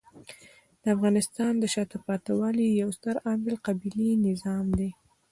د افغانستان د شاته پاتې والي یو ستر عامل قبیلې نظام دی.